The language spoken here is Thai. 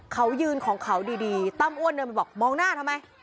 เขายืนของเขาดีตั้มอ้วนเดินไปบอกมองหน้าทำไม